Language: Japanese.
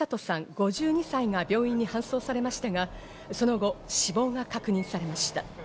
５２歳が病院に搬送されましたが、その後死亡が確認されました。